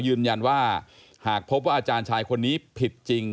ยืนยันว่าหากพบว่าอาจารย์ชายคนนี้ผิดจริง